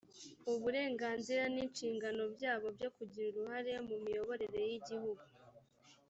uburenganzira n inshingano byabo byo kugira uruhare mu miyoborere y igihugu